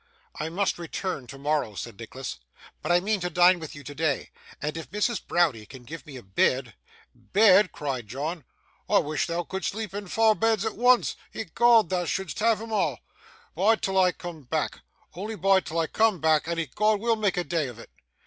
'I must return tomorrow,' said Nicholas, 'but I mean to dine with you today, and if Mrs. Browdie can give me a bed ' 'Bed!' cried John, 'I wish thou couldst sleep in fower beds at once. Ecod, thou shouldst have 'em a'. Bide till I coom back; on'y bide till I coom back, and ecod we'll make a day of it.